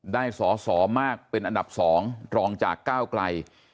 ได้สอสอมากเป็นอันดับ๒รองจากก้าวไกล